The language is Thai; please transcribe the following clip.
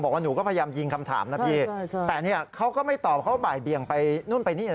บอกว่าหนูก็พยายามยิงคำถามนะพี่แต่เนี่ยเขาก็ไม่ตอบเขาบ่ายเบียงไปนู่นไปนี่